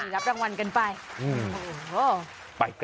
รับรางวัลกันไป